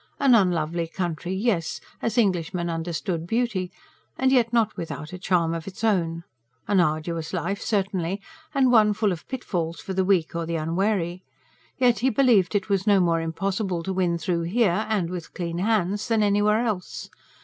An unlovely country, yes, as Englishmen understood beauty; and yet not without a charm of its own. An arduous life, certainly, and one full of pitfalls for the weak or the unwary; yet he believed it was no more impossible to win through here, and with clean hands, than anywhere else.